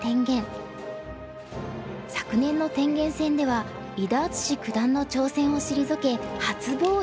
昨年の天元戦では伊田篤史九段の挑戦を退け初防衛。